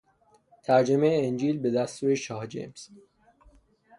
ترجمهی انجیل به دستور شاه جیمز